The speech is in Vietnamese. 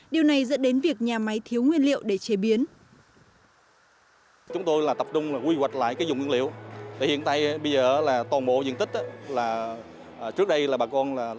điều này dẫn đến việc nhà máy thiếu nguyên liệu để chế biến